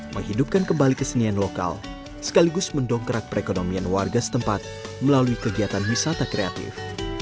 menghidupkan kembali kesenian lokal sekaligus mendongkrak perekonomian warga setempat melalui kegiatan wisata kreatif